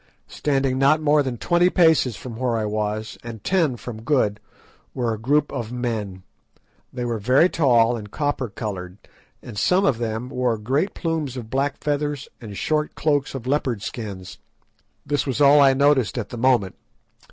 Standing not more than twenty paces from where I was, and ten from Good, were a group of men. They were very tall and copper coloured, and some of them wore great plumes of black feathers and short cloaks of leopard skins; this was all I noticed at the moment.